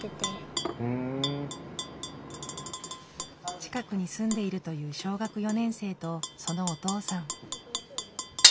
近くに住んでいるという小学４年生とそのお父さん。